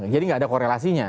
jadi tidak ada korelasinya